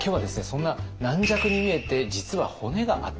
そんな軟弱に見えて実はホネがあった